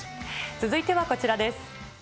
続いてはこちらです。